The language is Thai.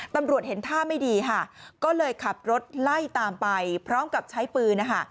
ตำรวจเห็นท่าไม่ดีค่ะก็เลยขับรถไล่ตามไปพร้อมกับใช้ปืนนะคะ